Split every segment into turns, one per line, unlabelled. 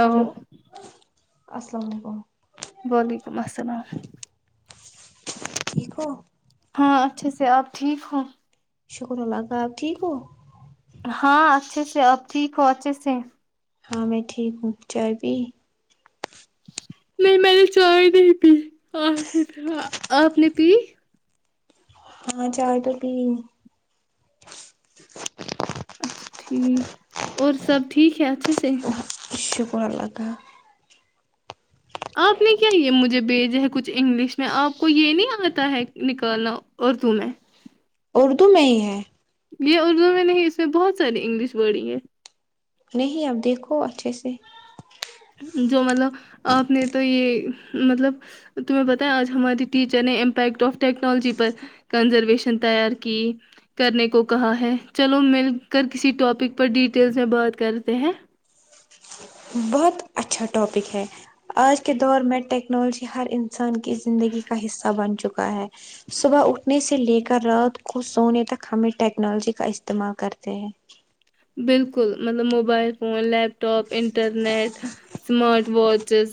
hello السلام علیکم
وعلیکم السلام
ٹھیک ہو
ہاں اچھے سے آپ ٹھیک ہو
شکر اللہ کا آپ ٹھیک ہو
ہاں اچھے سے آپ ٹھیک ہو اچھے سے
ہاں میں ٹھیک ہوں چائے پی
نہیں میں نے چائے نہیں پی آ آپ نے پی
ہاں چائے تو پی
اچھا ٹھیک اور سب ٹھیک ہے اچھے سے
شکر اللہ کا
آپ نے کیا یے مجھے بھیج ہے کچھ انگلش میں آپ کو یے نہیں آتا ہے نکالنا اردو میں
اردو میں ہی ہے
یے اردو میں نہیں اس میں بہت ساری انگلش ورڈ ہی ہیں
نہیں اب دیکھو اچھے سے
جو مطلب آپ نے تو یے مطلب تمہیں بتائیں آج ہماری ٹیچر نے امپیکٹ آف ٹیکنالوجی پر کنزرویشن تیار کی کرنے کو کہا ہے چلو مل کر کسی ٹاپک پر ڈیٹیلس میں بات کرتے ہیں
بہت اچ اچھا ٹاپک ہے آج کے دور میں ٹیکنالوجی ہر انسان کی زندگی کا حصہ بن چکا ہے صبح اٹھنے سے لے کر رات کو سونے تک ہمیں ٹیکنالوجی کا استعمال کرتے ہیں
بالکل مطلب mobile phone laptop internet smart watches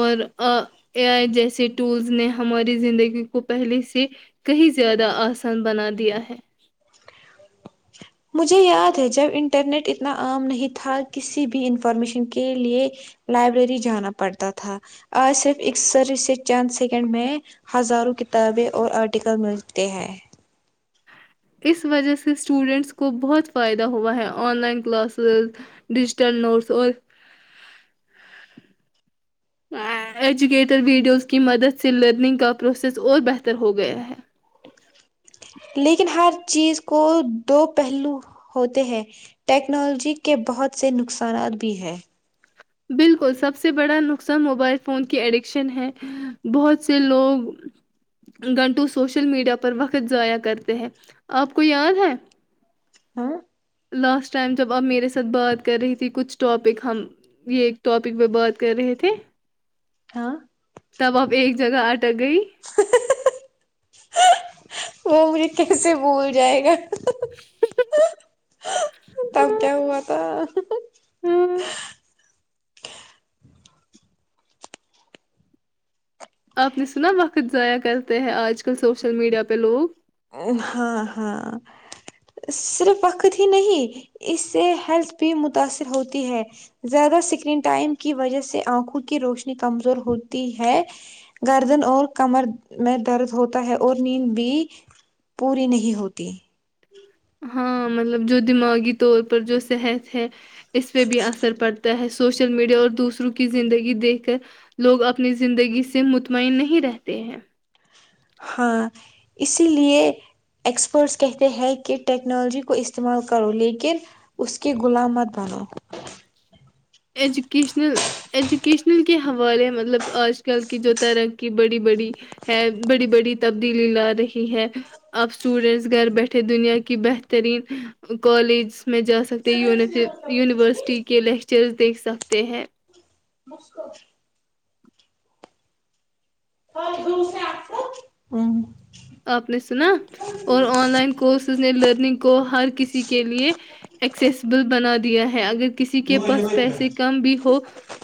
اور آ اے آئی جیسے ٹولز نے ہماری زندگی کو پہلے سے کہیں زیادہ آسان بنا دیا ہے
مجھے یاد ہے جب انٹرنیٹ اتنا عام نہیں تھا کسی بھی انفارمیشن کے لیے لائبریری جانا پڑتا تھا اور صرف اک سر سے چند سیکنڈ میں ہزاروں کتابیں اور آرٹیکل ملتے ہیں
اس وجہ سے اسٹوڈنٹس کو بہت فائدہ ہوا ہے online classes digital notes اور ایجوکیٹیڈ ویڈیوز کی مدد سے لرننگ کا پروسیس اور بہتر ہو گیا ہے
لیکن ہر چیز کو دو پہلو ہوتے ہیں ٹیکنالوجی کے بہت سے نقصانات بھی ہیں
بالکل سب سے بڑا نقصان موبائل فون کی ایڈکشن ہے بہت سے لوگ گھنٹوں سوشل میڈیا پر وقت ضائع کرتے ہیں آپ کو یاد ہے
ہاں
لاسٹ ٹائم جب آپ میرے ساتھ بات کر رہی تھی کچھ ٹاپک ہم یے ایک ٹاپک میں بات کر رہے تھے
ہاں
تب آپ ایک جگہ اٹک گئی
وہ مجھے کیسے بھول جائے گا تب کیا ہوا تھا
ہوں
[inaudible]
آپ نے سنا وقت ضائع کرتے ہیں آج کل سوشل میڈیا پہ لوگ
ہاں ہاں صرف وقت ہی نہیں اس سے ہیلتھ بھی متاثر ہوتی ہے زیادہ اسکرین ٹائم کی وجہ سے آنکھوں کی روشنی کمزور ہوتی ہے گردن اور کمر میں درد ہوتا ہے اور نیند بھی پوری نہیں ہوتی
ہاں مطلب جو دماغی طور پر جو صحت ہے اس پہ بھی اثر پڑ تا ہے سوشل میڈیا اور دوسروں کی زندگی دیکھ کر لوگ اپنی زندگی سے مطمعین نہیں رہتے ہیں
ہاں اسی لیے اییکسپرٹس کہتے ہیں کہ ٹیکنالوجی کو استعمال کرو لیکن اس کی غلام مت بنو
ایجوکیشنل ایجوکیشنل کے حوالے مطلب آج کل کی جو ترقی کی بڑی بڑی ہے بڑی بڑی تبدیلی لا رہی ہے اب اسٹوڈینٹس گھر بیٹھے دنیا کی بہترین کالج میں جا سکتے یونیوس یونیورسٹی کے لیکچرز دیکھ سکتے ہیں
مسکو
آپ نے سنا اور آن لائن کورسز نے لرننگ کو ہر کسی کے لیے ایکسیسیبل بنا دیا ہے اگر کسی کے پاس پیسے کم بھی ہو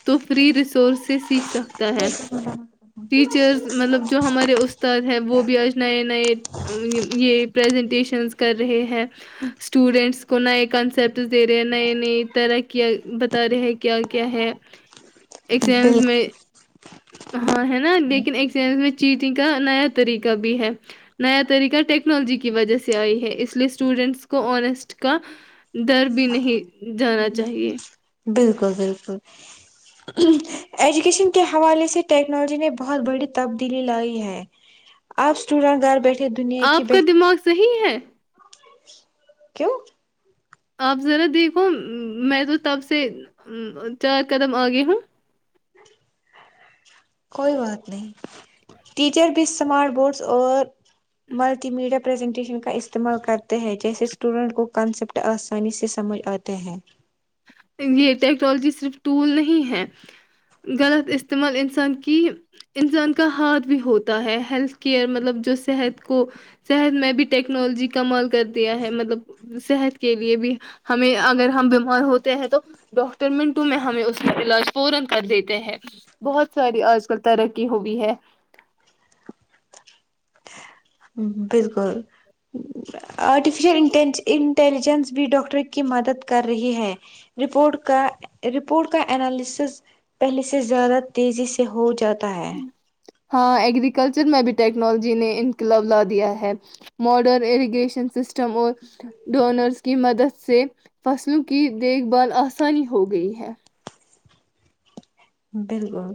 تو فری ریسورس سے سیکھ سکتا ہے ٹیچرز مطلب جو ہمارے استاد ہے وہ بھی آج نئے نئے یہ پریزنٹیشنز کر رہے ہیں اسٹوڈینٹس کو نئے کنسپٹ دے رہے نئے نئی طرح کیا بتا رہے ہیں کیا کیا ہے ایگزیمز
بال
میں ہاں ہے نا لیکن ایگزامز چیٹنگ کا نیا طریقہ بھی ہے نیا طریقہ ٹیکنالوجی کی وجہ سے آئی ہے اس لیے اسٹوڈینٹس کو آنیسٹ کا ڈر بھی نہیں جانا چاہیے
بالکل بالکل ایجوکیشن کے حوالے سے ٹیکنالوجی نے بہت بڑی تبدیلی لائی ہے آپ اسٹوڈینٹ گھر بیٹھے دنیا کی
آپ
بہ
کا دماغ صحیح ہے
کیوں
آپ ذرا دیکھو م میں تو تب سے م چار قدم آگے ہوں
کوئی بات نہیں ٹیچر بھی اسمارٹ بورڈس اور ملٹی میڈیا پرریزنٹیشن کا استعمال کرتے ہیں جیسے اسٹوڈنٹ کو کنسپٹ آسانی سے سمجھ آتے ہیں
یہ ٹیکنالوجی صرف ٹول نہیں ہے غلط استعمال انسان کی انسان کا ہاتھ بھی ہوتا ہے ہیلتھ کیئر مطلب جو صحت کو صحت میں بھی ٹیکنالوجی کمال کر دیا ہے مطلب صحت کے لیے بھی ہمیں اگر ہم بیمار ہو تے ہیں تو ڈاکٹر منٹوں میں ہمیں اس کا علاج فورں کر دیتے ہیں بہت ساری آج کل ترقی ہوئی ہے
بالکل آرٹیفشل انٹین ان انٹیلیجنس بھی ڈاکٹر کی مدد کر رہی ہے رپورٹ کا رپورٹ کا انالسس پہلے سے زیادہ تیزی سے ہو جاتا ہے
ہاں ایگریکلچر میں بھی ٹیکنالوجی نے انقلاب لا دیا ہے ماڈرن اریگیشن سسٹم اور ڈونرس کی مدد سے فصلوں کی دیکھ بھال آسانی ہو گئی ہے
بالکل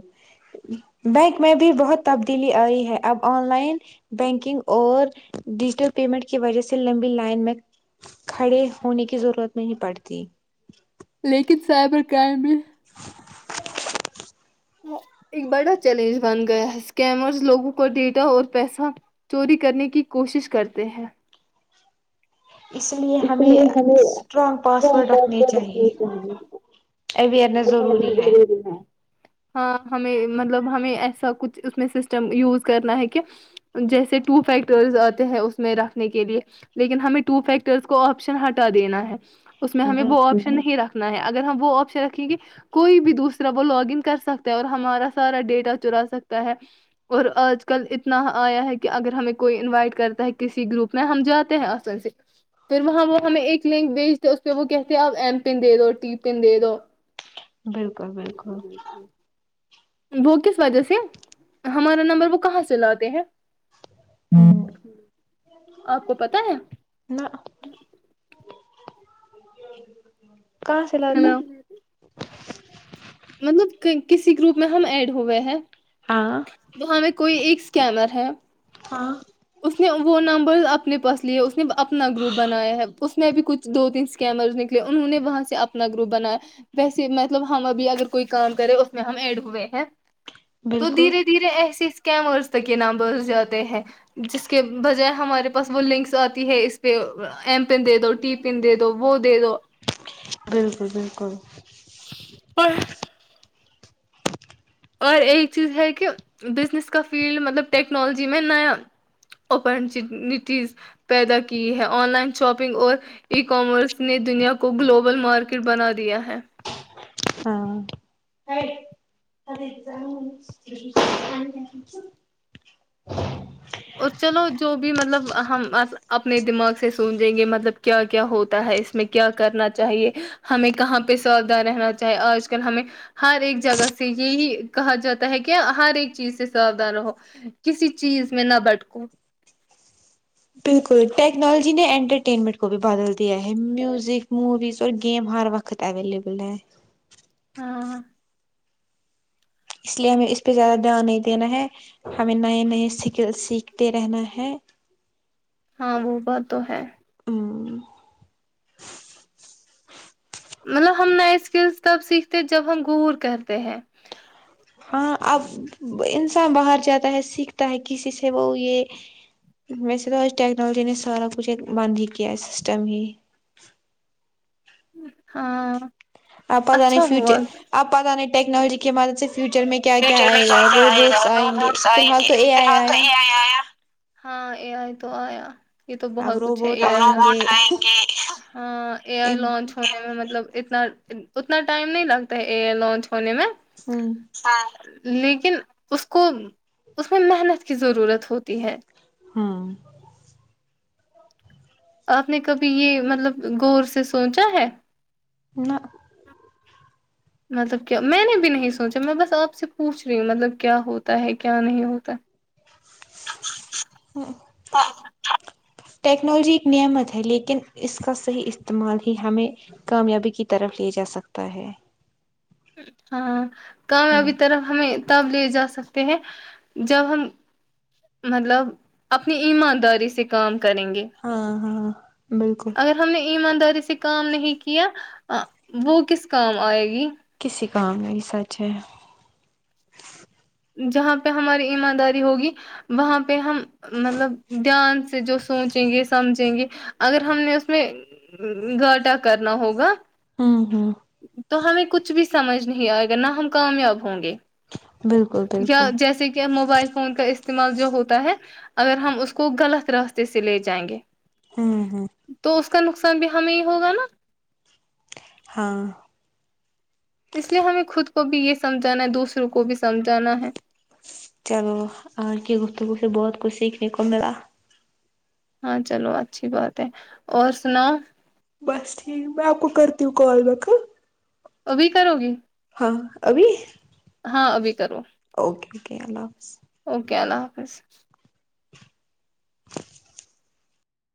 بینک میں بھی بہت تبدیلی آئی ہے اب آن لائن بینکنگ اور ڈیجیٹل پیمنٹ کی وجہ سے لمبی لائن میں کھڑے ہونے کی ضرورت نہیں پڑتی
لیکن سائبر کرائم بھی ایک بڑا چیلنج بن گیا ہے اسکمر لوگوں کو ڈیٹا اور پیسہ چوری کرنے کی کوشش کرتے ہیں اس
ہمیں
لیے ہمیں
اسٹرانگ پاسورڈ رکھنے چاہیے
[unintelligible] اور رہنا ضروری ہے ہاں ہمیں مطلب ہمیں ایسا کچھ اس میں سسٹم یوز کرنا ہے کہ جیسے ٹو فیکٹرز آتے ہیں اس میں رکھنے کے لیے لیکن ہمیں ٹو فیک ٹرز کو آپشن ہٹا دینا ہے اس میں ہمیں
بال
وہ آپشن نہیں رکھنا ہے اگر ہم وہ آپشن رکھیں گے کوئی بھی دوسرا پر لاگن کر سکتا ہے اور ہمارا سارا ڈیٹا چرا سکتا ہے اور آج کل اتنا آیا ہے کہ اگر ہمیں کوئی انوائٹ کرتا ہے کسی گروپ میں ہم جاتے ہیں اسان سے پھر وہاں وہ ہمیں ایک لنک بھیجتے اس پے وہ کہتے ہیں آپ ایم پن دے دو ٹی پن دے دو
بالکل بالکل
وہ کس وجہ سے ہمارا نمبر وہ کہاں سے لاتے ہیں
ہمم
آپ کو پتہ ہے
نہ کہاں سے لاتے
ہیلو مطلب کسی گروپ میں ہم ایڈ ہوئے ہیں
ہاں
وہاں میں کوئی ایک کیمر ہے
ہاں
اس نے وہ نمبر اپنے پاس لیے اس نے اپنا گروپ بنایا ہے اس میں بھی کچھ دو تین اسکیمرز نکلے انہوں نے وہاں سے اپنا گروپ بنایا ویسے مطلب ہم ابھی اگر کوئی کام کرے اس میں ہم ایڈ ہوئے ہیں تو
بالکل
دھیرے دھیرے ایسے اسکیمرس تک یے نامبرس جاتے ہیں جس کے بجائے ہمارے پاس وہ لنکس آتی ہے اس پے ایم پن دے دو ٹی پن دے دو وہ دے دو
بالکل بالکل
اور اور ایک چیز ہے کہ بزنس کا فیلڈ مطلب ٹیکنالوجی میں نیا اپارچنیٹیز پیدا کی ہے آن لائن شاپنگ اور ای کامرس نے دنیا کو گلوبل مارکیٹ بنا دیا ہے
ہاں
اور چلو جو بھی مطلب ہم اپنے دماغ سے سوچیں گے مطلب کیا کیا ہوتا ہے اس کیا کرنا چاہیے ہمیں کہاں پے ساودھان رہنا چاہیے آج کل ہمیں ہر ایک جگہ سے یہی کہا جاتا ہے کہ ہر ایک چیز سے ساودان رہو کسی چیز میں نہ بٹکوں
بالکل ٹیکنالوجی نے انٹرٹینمنٹ کو بھی بدل دیا ہے میوزک موویز اور گیم ہر وقت قت اویلیبل ہے
ہاں
اس لیے ہمیں اس پے زیادہ دھیان نہیں دینا ہے ہمیں نئے نئے سکل سیکھتے رہنا ہے
ہاں وہ بات تو ہے
ہمم
مطلب ہم نئے اسکلس تب سیکھتے جب ہم گور کرتے ہیں
ہاں اب انسان باہر جاتا ہے سیکھتا ہے کسی سے وہ یے ویسے تو آج ٹیکنالوجی نے سارا کچھ ایک بند ہی کیا ہے سسٹم ہی
ہاں
اب پتہ نہیں
اچھا ہوا
فیوچر اب پتہ نہیں ٹیکنالوجی کی مدد سے فیوچر میں کیا
فیوچر میں
آئے
کیا
گا
کیا آئے گا
روبوٹس آئیں گے
روبوٹس
فی
آئیں
الحال
گے
تو اے
فی
آئی
الحال تو
آیا
اے ائی آیا ہاں اے آئی تو آیا یے تو بہت
اب
کچھ ہے
روبوٹ
اب
آئیں
روبوٹ
گے
ائیں گے ہاں اے
ہ
ائی لانچ ہونے میں مطلب اتنا اتنا ٹائم نہیں لگتا ہے اے ائی لانچ ہونے میں
ہمم
لیکن اس کو اس میں محنت کی ضرورت ہوتی ہے
ہمم
آپ نے کبھی یے مطلب غور سے سوچا ہے
نا
مطلب کیا میں نے بھی نہیں سوچا میں بس آپ سے پوچھ رہی ہوں مطلب کیا ہوتا ہے کیا نہیں ہوتا ہاں
ٹیکنالوجی ایک نعمت ہے لیکن اس کا صحیح استعمال ہی ہمیں کامیابی کی طرف لے جا سکتا ہے
ہاں
ہوں
کامیابی طرف ہمیں تب لے جا سکتے ہیں جب ہم مطلب اپنی ایمانداری سے کام کریں گے
ہاں ہاں بالکل
اگر ہم نے ایمانداری سے کام نہیں کیا وہ کس کام آئے گی
کسی کام میں سچ ہے
جہاں پے ہماری ایمانداری ہوگی وہاں پے ہم مطلب دھیان سے جو سوچیں گے سمجھیں گے اگر ہم نے اس میں گھاٹا کرنا ہوگا
ہمم ہمم
تو ہمیں کچھ بھی سمجھ نہیں آئے گا نہ ہم کامیاب ہوں گے
بالکل
یا
بالکل
جیسے کہ موبائل فون کا استعمال جو ہوتا ہے اگر ہم اس کو غلط راستے سے لے جائیں گے
ہمم ہمم
تو اس کا نقصان بھی ہمیں ہی ہوگا نا
ہاں
اس لیے ہمیں خود کو بھی یے سمجھانا ہے دوسروں کو بھی سمجھانا ہے
چلو آج کے گفتگو سے بہت کچھ سیکھنے کو میلا
ہاں چلو اچھی بات ہے اور سناؤ
بس ٹھیک میں آپ کو کرتی ہوں کال بیک ہاں
ابھی کرو گی
ہاں ابھی
ہاں ابھی کرو
اوکے اوکے اللہ حافظ
اوکے اللہ حافظ